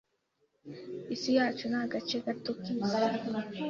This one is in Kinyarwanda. Isi yacu ni agace gato k'isi.